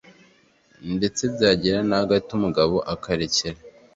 ndetse byagera na hagati umugabo akarekera